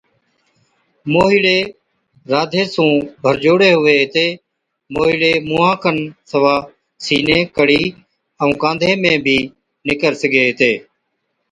موهِيڙي راڌي سُون ڀرجوڙي هُوي هِتي، موهِيڙي مُونها کن سِوا سِيني، ڪَڙِي، ائُون ڪانڌي ۾ بِي نِڪر سِگھي هِتي۔